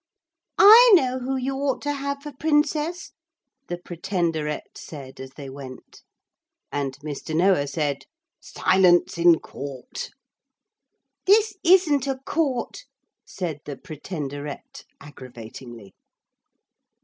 'I know who you ought to have for princess,' the Pretenderette said as they went. And Mr. Noah said: 'Silence in court.' 'This isn't a court,' said the Pretenderette aggravatingly.